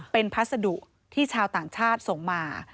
เป็นพัสดุที่ชาวต่างชาติส่งมา